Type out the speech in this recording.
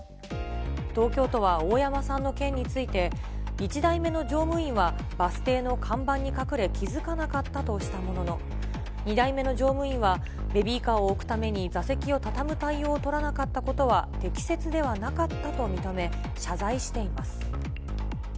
東京都は大山さんの件について、１台目の乗務員はバス停の看板に隠れ、気付かなかったとしたものの、２台目の乗務員はベビーカーを置くために座席を畳む対応を取らなかったことは適切ではなかったと認め、謝罪しています。